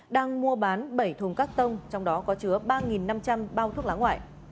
đang mua bán bảy thùng các tông trong đó có chứa ba năm trăm linh bao thuốc lá ngoại